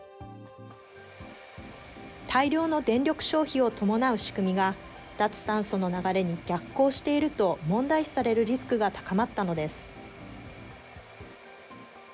大量の電力消費を伴う仕組みが、脱炭素の流れに逆行していると問題視されるリスクが高まったのです。